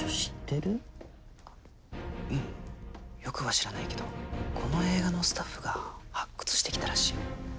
よくは知らないけどこの映画のスタッフが発掘してきたらしいよ。